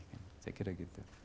saya kira gitu